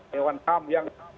dewan ham yang